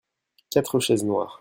quatre chaises noires.